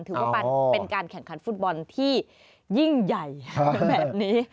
ถือว่าเป็นการแข่งขันฟุตบอลที่ยิ่งใหญ่แบบนี้